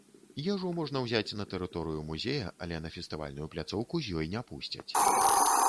Ежу можна ўзяць на тэрыторыю музея, але на фестывальную пляцоўку з ёй не пусцяць.